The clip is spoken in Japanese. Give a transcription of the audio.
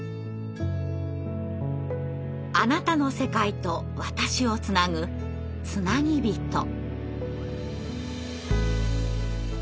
あなたの世界と私をつなぐつなぎびと。